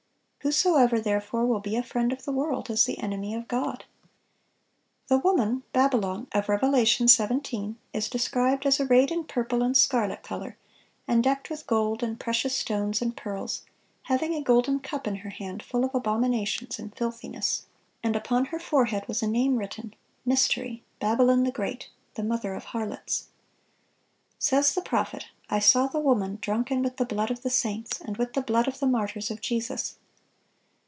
whosoever therefore will be a friend of the world is the enemy of God." The woman (Babylon) of Revelation 17, is described as "arrayed in purple and scarlet color, and decked with gold and precious stones and pearls, having a golden cup in her hand full of abominations and filthiness: ... and upon her forehead was a name written, Mystery, Babylon the Great, the mother of harlots." Says the prophet, "I saw the woman drunken with the blood of the saints, and with the blood of the martyrs of Jesus."